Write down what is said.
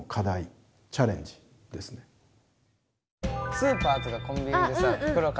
スーパーとかコンビニでさ袋買ったらさ